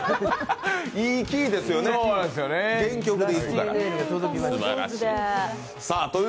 いいキーですよね、原曲でいくから、すばらしい。